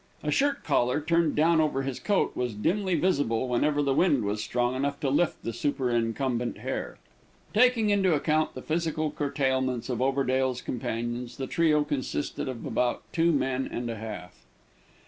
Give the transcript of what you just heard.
A shirt collar, turned down over his coat, was dimly visible whenever the wind was strong enough to lift the superincumbent hair. Taking into account the physical curtailments of Overdale's companions, the trio consisted of about two men and a half.